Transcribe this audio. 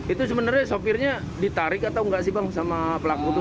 itu sebenarnya sopirnya ditarik atau nggak sih bang sama pelaku itu